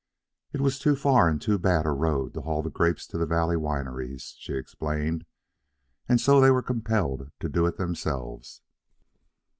It was too far and too bad a road to haul the grapes to the valley wineries, she explained, and so they were compelled to do it themselves.